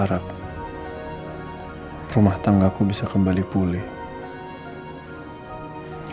rumah tangga ku bisa kembali pulih